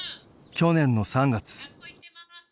去年の３月。